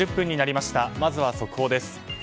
まずは速報です。